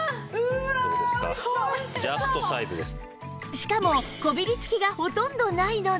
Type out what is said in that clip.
しかもこびりつきがほとんどないので